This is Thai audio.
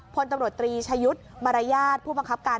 พลตำรวจตรีชายุทธ์มารยาทผู้บังคับการ